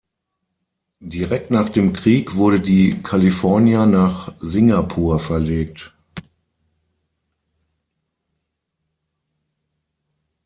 Direkt nach dem Krieg wurde die "California" nach Singapur verlegt.